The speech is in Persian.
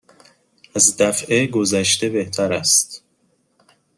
از دفعه گذشته بهتر است.